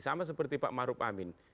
sama seperti pak maruf amin